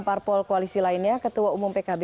parpol koalisi lainnya ketua umum pkb